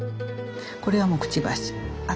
これはくちばし。